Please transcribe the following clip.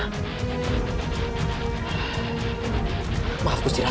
tidak ada masalah